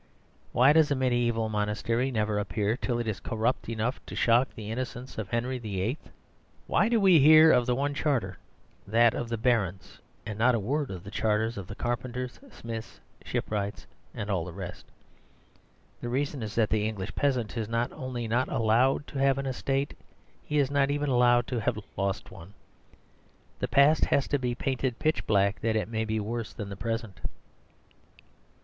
Why does a mediæval monastery never appear till it is "corrupt" enough to shock the innocence of Henry VIII.? Why do we hear of one charter that of the barons and not a word of the charters of the carpenters, smiths, shipwrights and all the rest? The reason is that the English peasant is not only not allowed to have an estate, he is not even allowed to have lost one. The past has to be painted pitch black, that it may be worse than the present.